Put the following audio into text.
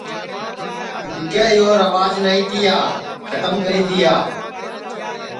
اِٻکے یو ریوج نائی تیا کھتم کری دؔیا